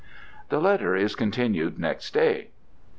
The letter is continued next day.